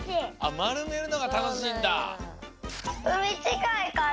まるめるのがたのしいんだ。